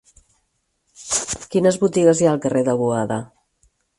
Quines botigues hi ha al carrer de Boada?